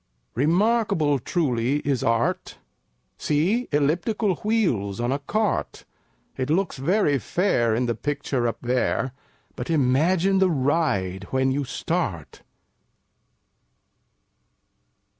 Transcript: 3 Remarkable truly, is Art! See Elliptical wheels on a Cart! It looks very fair In the Picture up there; But imagine the Ride when you start!